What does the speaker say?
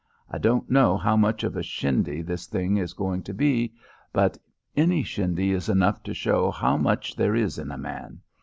I don't know how much of a shindy this thing is going to be, but any shindy is enough to show how much there is in a man.